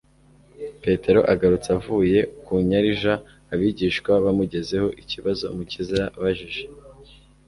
Petero agaiutse avuye ku nyarija, abigishwa bamugezaho ikibazo Umukiza yababajije,